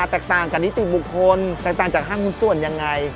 แตกต่างกับนิติบุคคลแตกต่างจากห้างหุ้นส่วนยังไง